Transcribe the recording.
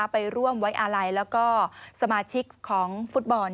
ไปร่วมไว้อาลัยแล้วก็สมาชิกของฟุตบอล